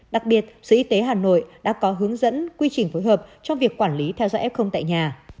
đặc biệt sở y tế hà nội đã có hướng dẫn quy trình phối hợp trong việc quản lý theo dõi f tại nhà